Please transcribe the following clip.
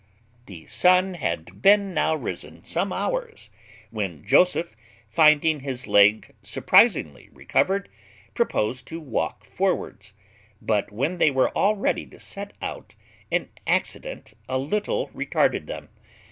The sun had been now risen some hours, when Joseph, finding his leg surprizingly recovered, proposed to walk forwards; but when they were all ready to set out, an accident a little retarded them.